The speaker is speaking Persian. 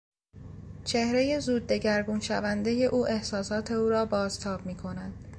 چهرهی زود دگرگون شوندهی او احساسات او را بازتاب می کند.